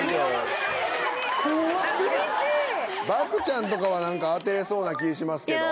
ばくちゃんとかは何か当てれそうな気しますけど？